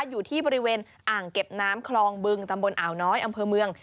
อยู่ที่บริเวณอ่างเก็บน้ำคลองบึงตำบลอ่าวน้อยอำเภอเมือง